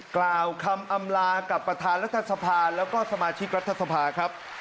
กล่าวคำอำลากับประธานรัฐสภาแล้วก็สมาชิกรัฐสภาครับ